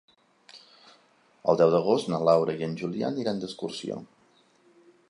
El deu d'agost na Laura i en Julià aniran d'excursió.